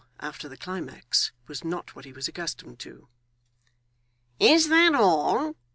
after the climax, was not what he was accustomed to. 'Is that all?